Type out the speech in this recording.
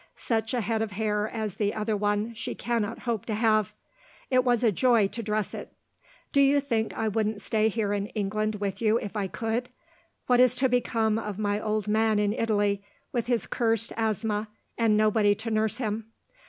Such a head of hair as the other one she cannot hope to have. It was a joy to dress it. Do you think I wouldn't stay here in England with you if I could? What is to become of my old man in Italy, with his cursed asthma, and nobody to nurse him?